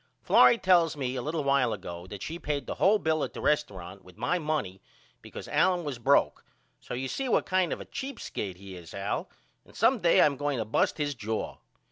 Florrie tells me a little while ago that she paid the hole bill at the resturunt with my money because Allen was broke so you see what kind of a cheap skate he is Al and some day I am going to bust his jaw.